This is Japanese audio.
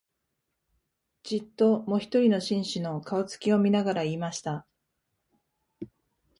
じっと、もひとりの紳士の、顔つきを見ながら言いました